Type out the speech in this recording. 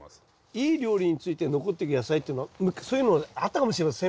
いい料理について残っていく野菜っていうのはそういうのあったかもしれません。